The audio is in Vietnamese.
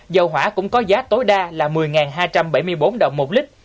dầu hỏa cũng có giá tối đa là một mươi hai trăm bảy mươi bốn đồng một lít